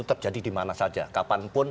terjadi dimana saja kapanpun